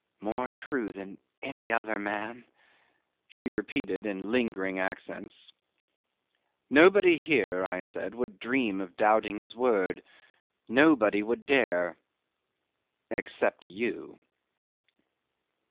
"More true than any other man," she repeated in lingering accents. "Nobody here," I said, "would dream of doubting his word nobody would dare except you."